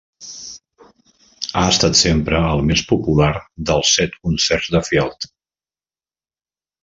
Ha estat sempre el més popular dels set concerts de Field.